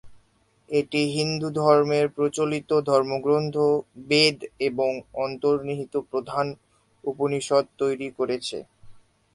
এটি হিন্দু ধর্মের প্রচলিত ধর্মগ্রন্থ বেদ এবং অন্তর্নিহিত প্রধান উপনিষদ তৈরি করেছে।